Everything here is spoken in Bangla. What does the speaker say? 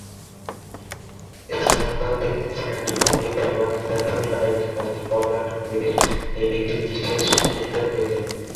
স্পন্দন ডিজনি চ্যানেলের কমেডি ধারাবাহিক "the suite life of Karan and কবির"-এ একটি বিশেষ চরিত্রে হয়েছিলেন।